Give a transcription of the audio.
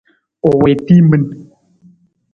U wii timin.